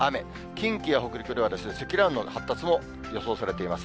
近畿や北陸では、積乱雲の発達も予想されています。